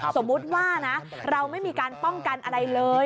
สมมุติว่านะเราไม่มีการป้องกันอะไรเลย